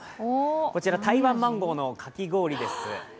こちら台湾マンゴーのかき氷です。